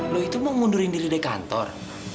lo itu mau mengundurkan diri dari kantor